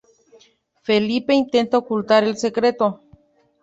Felipe intenta ocultar el secreto.